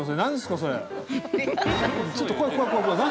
ちょっと怖い怖い怖い何？